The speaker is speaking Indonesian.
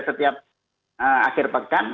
setiap akhir pekan